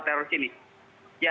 yang dikeluarkan oleh perahu nelayan